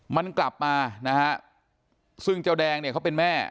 มันกลับมานะฮะซึ่งเจ้าแดงเนี่ยเขาเป็นแม่